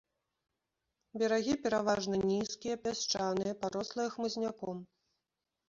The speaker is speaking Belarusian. Берагі пераважна нізкія, пясчаныя, парослыя хмызняком.